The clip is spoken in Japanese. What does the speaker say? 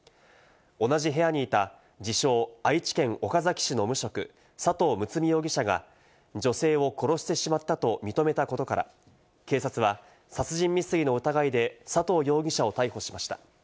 同じ部屋にいた自称、愛知県岡崎市の無職・佐藤睦容疑者が女性を殺してしまったと認めたことから、警察は殺人未遂の疑いで佐藤容疑者を逮捕しました。